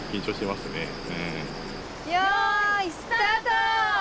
よーい、スタート！